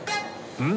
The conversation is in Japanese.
うん？